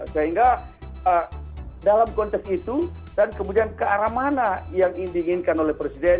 sehingga dalam konteks itu dan kemudian ke arah mana yang diinginkan oleh presiden